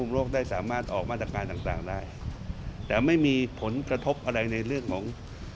โรคได้สามารถออกมาตรการต่างได้แต่ไม่มีผลกระทบอะไรในเรื่องของ